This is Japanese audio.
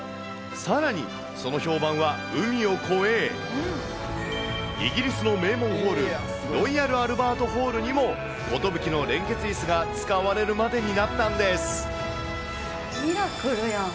さらに、その評判は海を越え、イギリスの名門ホール、ロイヤルアルバートホールにもコトブキの連結いすが使われるまでミラクルやん。